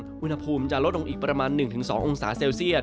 อุณหภูมิจะลดลงอีกประมาณ๑๒องศาเซลเซียต